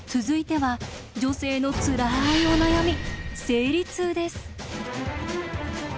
続いては女性のつらいお悩み生理痛です。